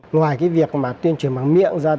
ngoài việc tuyên truyền bằng miệng ra